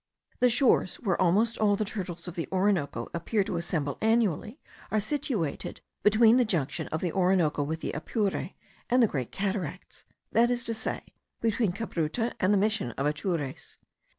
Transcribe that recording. The shores where almost all the turtles of the Orinoco appear to assemble annually, are situated between the junction of the Orinoco with the Apure, and the great cataracts; that is to say, between Cabruta and the Mission of Atures.